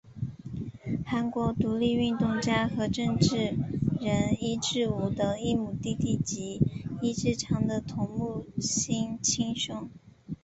韩国独立运动家和政治人尹致昊的异母弟弟及尹致昌的同母亲兄。